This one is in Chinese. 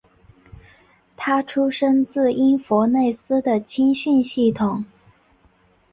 他出身自因弗内斯的青训系统。